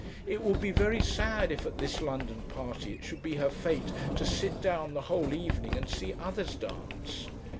It would be very sad if at this London party it should be her fate to sit down the whole evening and see others dance.